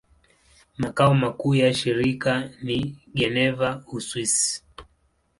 Makao makuu ya shirika ni Geneva, Uswisi.